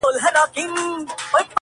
په زيارتونو تعويذونو باندې هم و نه سوه!!